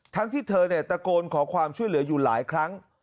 ที่เธอตะโกนขอความช่วยเหลืออยู่หลายครั้ง